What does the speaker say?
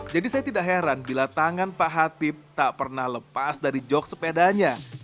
jadi saya tidak heran bila tangan pak hatip tak pernah lepas dari jok sepedanya